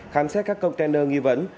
khám xét các container nghi vấn